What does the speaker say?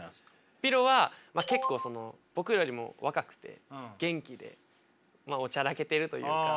ｐｉｒｏは結構僕よりも若くて元気でおちゃらけてるというか。